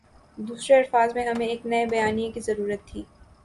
دوسرے الفاظ میں ہمیں ایک نئے بیانیے کی ضرورت تھی۔